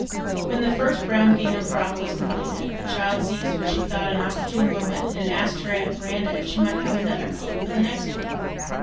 When the first brown gingham frock was completed, the child seized what she thought an opportune moment and asked her aunt Miranda if she might have another color for the next one.